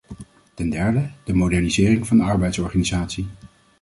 Ten derde: de modernisering van de arbeidsorganisatie.